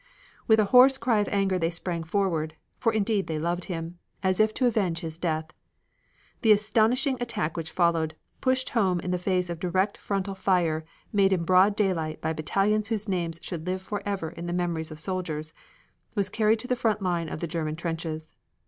With a hoarse cry of anger they sprang forward (for, indeed they loved him), as if to avenge his death. The astonishing attack which followed pushed home in the face of direct frontal fire made in broad daylight by battalions whose names should live forever in the memories of soldiers was carried to the front line of the German trenches.